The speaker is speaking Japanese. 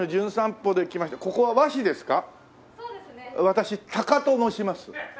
私タカと申します。